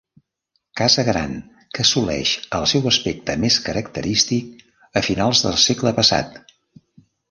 Casa gran que assoleix el seu aspecte més característic a finals del segle passat.